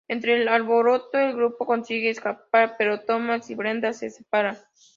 Entre el alboroto, el grupo consigue escapar, pero Thomas y Brenda se separan.